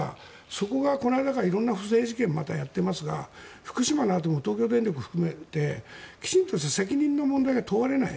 そこがこの間から色んな不正事件を色々やってますが福島のあとも東京電力含めてきちんとした責任の問題が問われない。